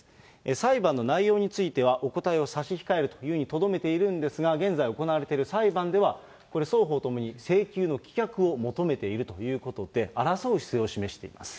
裁判の内容についてはお答えを差し控えるというふうにとどめているんですが、現在行われている裁判では、これ双方ともに、請求の棄却を求めているということで、争う姿勢を示しています。